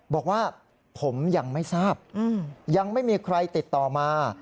บอกว่าผมยังไม่ทราบยังไม่มีใครติดต่อมา